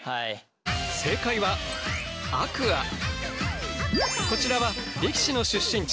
正解はこちらは力士の出身地